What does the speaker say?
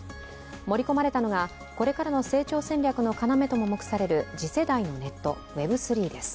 盛り込まれたのが、これからの成長戦略の要とも目される次世代のネット、Ｗｅｂ３．０です。